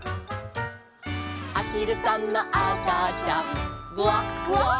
「あひるさんのあかちゃん」「グワグワ」